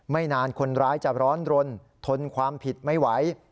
ไม่นานคนร้ายจะร้อนรนทนความผิดไม่ไหว